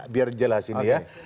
biar jelasin ya